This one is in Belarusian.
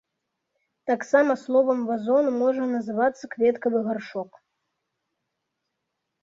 Таксама словам вазон можа называцца кветкавы гаршчок.